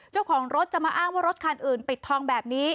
เจ้าของรถจะมาอ้างว่ารถคันอื่นปิดทองแบบนี้